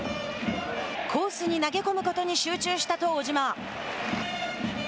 コースに投げ込むことに集中したと小島。